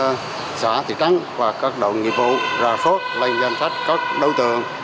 tất cả thủy trắng và các đồng nghiệp vụ ra phốt lên danh sách các đối tượng